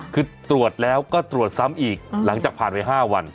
คือตรวจแล้วก็ตรวจซ้ำอีกหลังจากผ่านไป๕วัน